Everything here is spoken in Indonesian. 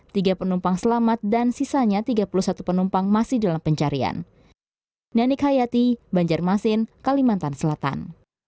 tiga penumpang selamat dan sisanya tiga puluh satu penumpang masih dalam pencarian